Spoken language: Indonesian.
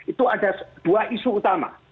itu ada dua isu utama